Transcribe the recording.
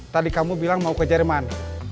tadi kamu bilang mau ke jerman